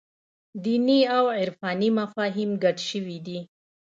دیني او عرفاني مفاهیم ګډ شوي دي.